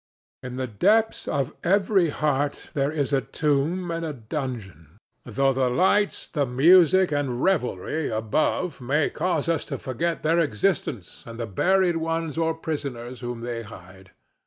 In the depths of every heart there is a tomb and a dungeon, though the lights, the music and revelry, above may cause us to forget their existence and the buried ones or prisoners whom they hide.